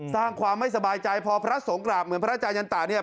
สร้างความไม่สบายใจพอพระสงฆ์กราบเหมือนพระอาจารยันตะเนี่ย